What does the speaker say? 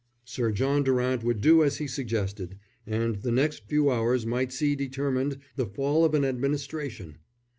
Sir John Durant would do as he suggested, and the next few hours might see determined the fall of an administration.